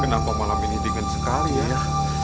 kenapa malam ini dingin sekali ya ya